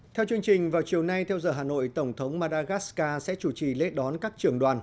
theo chương trình vào chiều nay theo giờ hà nội tổng thống madagascar sẽ chủ trì lễ đón các trưởng đoàn